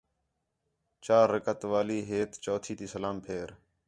چار رکعت والی ہِیت چوتھی تی سلام پھیر